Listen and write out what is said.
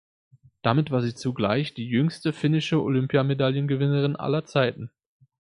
Damit war sie zugleich die jüngste finnische Olympiamedaillengewinnerin aller Zeiten.